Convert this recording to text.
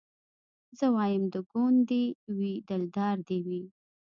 زه وايم د ګوند دي وي دلدار دي وي